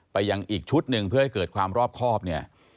ไปยังอีกชุดหนึ่งเพื่อให้เกิดความรอบครอบเนี่ย